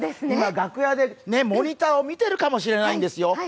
今、楽屋でモニターを見てるかもしれないんですよ。